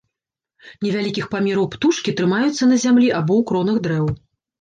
Невялікіх памераў птушкі, трымаюцца на зямлі або ў кронах дрэў.